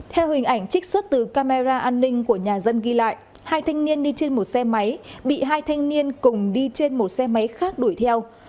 theo hình ảnh trích xuất từ camera an ninh của nhà dân ghi lại hai thanh niên đi trên một xe máy bị hai thanh niên cùng đi trên một xe máy khác đuổi theo